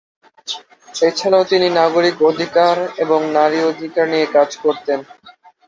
এছাড়াও তিনি নাগরিক অধিকার এবং নারী অধিকার নিয়ে কাজ করতেন।